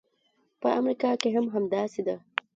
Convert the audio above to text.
په امریکا کې هم همداسې ده.